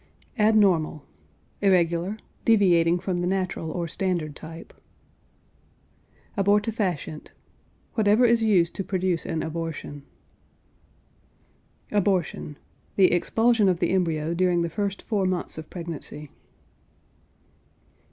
] ABNORMAL. Irregular; deviating from the natural or standard type. ABORTIFACIENT. Whatever is used to produce an abortion. ABORTION. The expulsion of the embryo during the first four months of pregnancy.